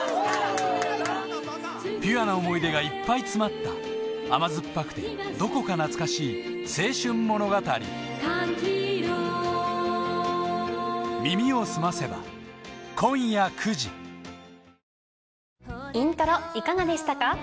ピュアな思い出がいっぱい詰まった甘酸っぱくてどこか懐かしい青春物語『イントロ』いかがでしたか？